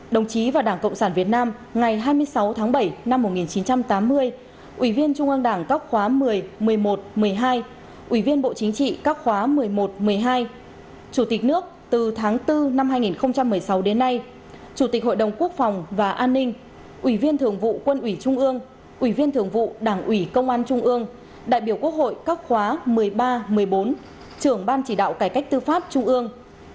đồng chí và đảng cộng sản việt nam ngày hai mươi sáu tháng bảy năm một nghìn chín trăm tám mươi ủy viên trung ương đảng các khóa một mươi một mươi một một mươi hai ủy viên bộ chính trị các khóa một mươi một một mươi hai chủ tịch nước từ tháng bốn năm hai nghìn một mươi sáu đến nay chủ tịch hội đồng quốc phòng và an ninh ủy viên thường vụ quân ủy trung ương ủy viên thường vụ đảng ủy công an trung ương đại biểu quốc hội các khóa một mươi ba một mươi bốn trưởng ban chỉ đạo cải cách tư pháp trung ương